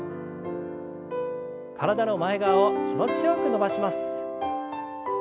体の前側を気持ちよく伸ばします。